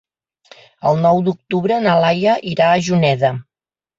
El nou d'octubre na Laia irà a Juneda.